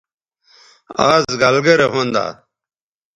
آز گَلگرے ھوندا